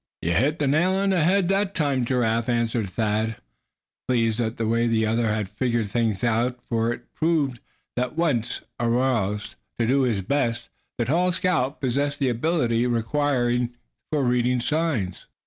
"You hit the nail on the head that time, Giraffe," answered Thad, pleased at the way the other had figured things out, for it proved that, once aroused to do his best, the tall scout possessed the ability required for reading "signs."